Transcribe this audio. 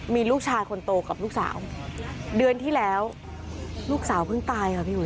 มีลูกชายคนโตกับลูกสาวเดือนที่แล้วลูกสาวเพิ่งตายค่ะพี่อุ๋